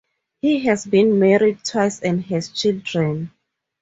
He has been married twice and has children.